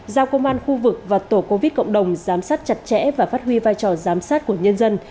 giao công an khu vực và tổ covid cộng đồng giám sát chặt chẽ và phát huy vai trò giám sát của nhân dân